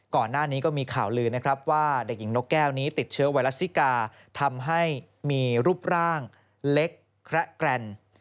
ก่อนหน้านี้ก็มีข่าวลือนะครับว่าเด็กหญิงนกแก้วนี้ติดเชื้อไวรัสซิกาทำให้มีรูปร่างเล็กแคระแกรน